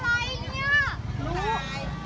สวัสดีครับคุณพลาด